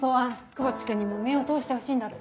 窪地君にも目を通してほしいんだって。